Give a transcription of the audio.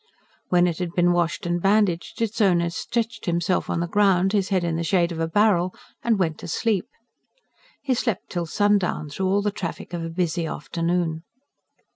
When it had been washed and bandaged, its owner stretched himself on the ground, his head in the shade of a barrel, and went to sleep. He slept till sundown, through all the traffic of a busy afternoon.